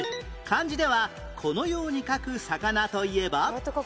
漢字ではこのように書く魚といえば？